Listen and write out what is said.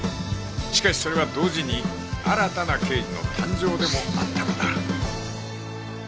しかしそれは同時に新たな刑事の誕生でもあったのだ